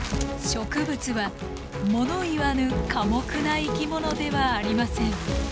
植物は物言わぬ寡黙な生き物ではありません。